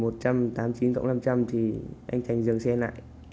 một trăm tám mươi chín tổng năm trăm linh thì anh thành dừng xe lại